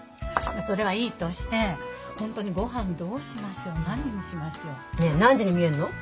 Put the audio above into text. それはいいとして本当に御飯どうしましょう？何にしましょう？ねえ何時にみえるの？